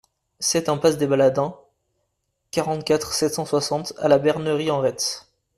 sept impasse des Baladins, quarante-quatre, sept cent soixante à La Bernerie-en-Retz